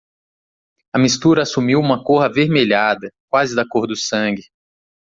A mistura assumiu uma cor avermelhada? quase da cor do sangue.